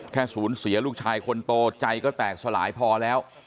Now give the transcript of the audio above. ศูนย์เสียลูกชายคนโตใจก็แตกสลายพอแล้ว